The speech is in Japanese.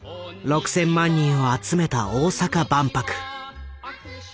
６，０００万人を集めた大阪万博。